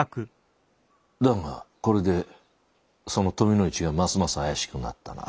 だがこれでその富の市がますます怪しくなったな。